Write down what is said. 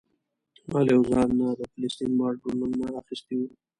ما له یو ځوان نه د فلسطین ماډلونه اخیستي وو.